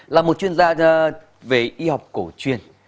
là một chuyên gia về y học cổ truyền